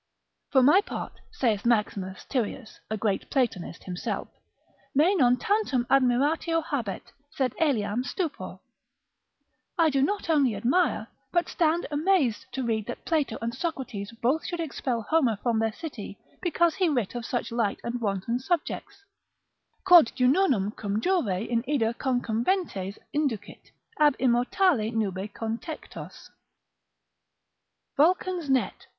For my part, saith Maximus Tyrius, a great Platonist himself, me non tantum admiratio habet, sed eliam stupor, I do not only admire, but stand amazed to read, that Plato and Socrates both should expel Homer from their city, because he writ of such light and wanton subjects, Quod Junonem cum Jove in Ida concumbentes inducit, ab immortali nube contectos, Vulcan's net.